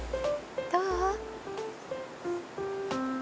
どう？